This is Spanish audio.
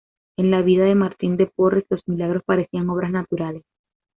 En la vida de Martín de Porres los milagros parecían obras naturales.